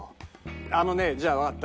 あのねじゃあわかった。